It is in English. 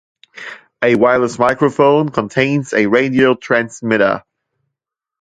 A wireless microphone contains a radio transmitter.